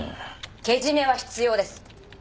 けじめは必要です。